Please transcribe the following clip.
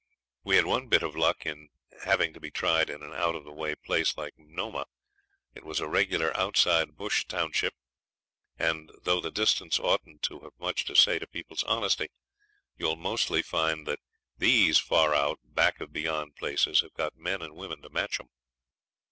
We had one bit of luck in having to be tried in an out of the way place like Nomah. It was a regular outside bush township, and though the distance oughtn't to have much to say to people's honesty, you'll mostly find that these far out back of beyond places have got men and women to match 'em.